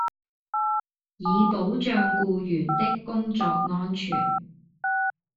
以保障僱員的工作安全